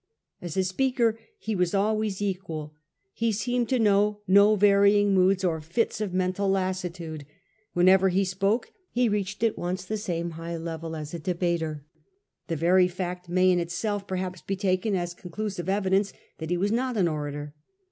As a speaker he was always equal. He seemed to know no varying moods or fits of mental lassitude. Whenever he spoke he reached at once the same high level as a debater. The very fact may in itself perhaps be taken as conclusive evidence that he was not an orator.